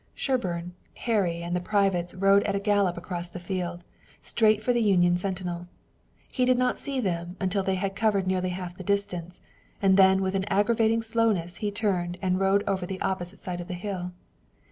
Sherburne, Harry and the privates rode at a gallop across the field, straight for the Union sentinel. He did not see them until they had covered nearly half the distance, and then with aggravating slowness he turned and rode over the opposite side of the hill.